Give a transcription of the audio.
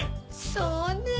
そうねぇ。